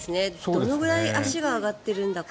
どのぐらい足が上がってるんだか。